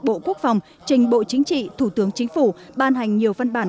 bộ quốc phòng trình bộ chính trị thủ tướng chính phủ ban hành nhiều văn bản